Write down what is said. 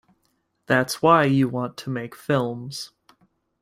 That's why you want to make films.